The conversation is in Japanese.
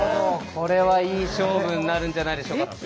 これはいい勝負になるんじゃないでしょうか。